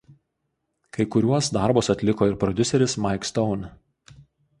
Kai kuriuos darbus atliko ir prodiuseris Mike Stone.